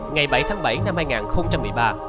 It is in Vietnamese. ngày bảy tháng bảy năm hai nghìn một mươi ba